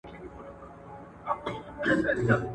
په قلم لیکنه کول د ډله ایزو کارونو په پرمختګ کي مرسته کوي.